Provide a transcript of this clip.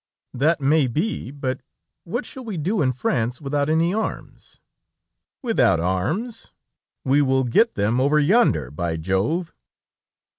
"That may be; but what shall we do in France without any arms?" "Without arms? We will get them over yonder, by Jove!"